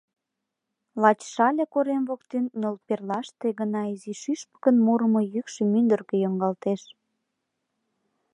Лач Шале корем воктен нӧлперлаште гына изи шӱшпыкын мурымо йӱкшӧ мӱндыркӧ йоҥгалтеш.